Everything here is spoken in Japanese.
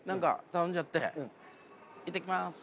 行ってきます。